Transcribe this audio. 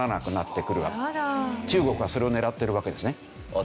中国はそれを狙ってるわけですね。